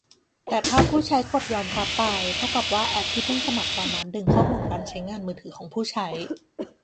แต่ถ้าผู้ใช้กดยอมรับไป เท่ากับว่าแอปที่เพิ่งสมัครตอนนั้นดึงข้อมูลการใช้งานมือถือของผู้ใช้